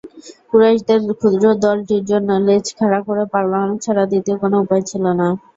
কুরাইশদের ক্ষুদ্র দলটির জন্য লেজ খাড়া করে পালানো ছাড়া দ্বিতীয় কোন উপায় ছিল না।